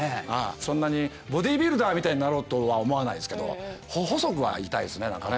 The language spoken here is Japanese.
そんなにボディービルダーみたいになろうとは思わないですけど細くはいたいですね何かね。